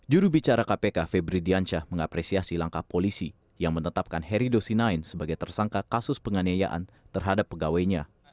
juru bicara kpk febri dianca mengapresiasi langkah polisi yang menetapkan heri dosinaen sebagai tersangka kasus penganiayaan terhadap pegawainya